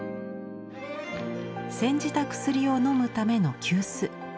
煎じた薬を飲むための急須。